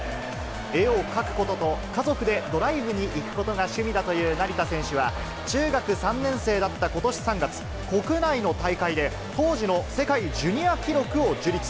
絵を描くことと、家族でドライブに行くことが趣味だという成田選手は、中学３年生だったことし３月、国内の大会で当時の世界ジュニア記録を樹立。